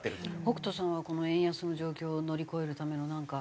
北斗さんはこの円安の状況を乗り越えるためのなんか。